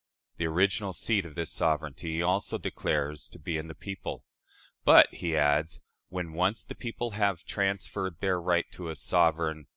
" The original seat of this sovereignty he also declares to be in the people. "But," he adds, "when once the people have transferred their right to a sovereign [i.